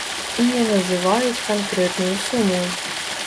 І не называюць канкрэтную суму.